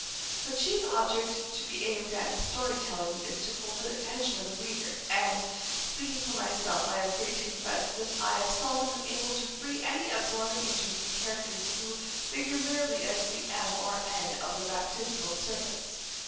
The chief object to be aimed at in story telling is to hold the attention of the reader, and, speaking for myself, I am free to confess that I have seldom been able to feel any absorbing interest in characters who figure merely as the M. or N. of the baptismal service.